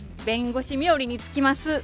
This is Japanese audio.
弁護士冥利につきます。